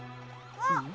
あっ。